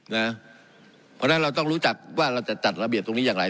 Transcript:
เพราะฉะนั้นเราต้องรู้จักว่าเราจะจัดระเบียบตรงนี้อย่างไร